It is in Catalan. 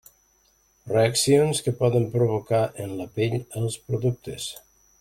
Reaccions que poden provocar en la pell els productes.